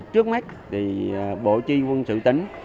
trước mắt thì bộ truy quân sự tính